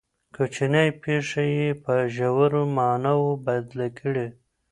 کوچنۍ پېښې یې په ژورو معناوو بدلې کړې.